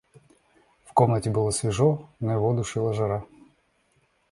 В комнате было свежо, но его душила жара.